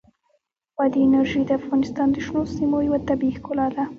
بادي انرژي د افغانستان د شنو سیمو یوه طبیعي ښکلا ده.